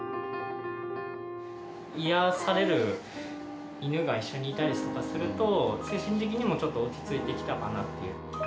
癒やされる犬が一緒にいたりとかすると、精神的にもちょっと落ち着いてきたかなっていう。